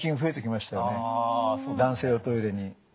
男性用トイレに。